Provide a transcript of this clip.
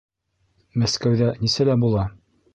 Мәскәүҙә нисәлә була?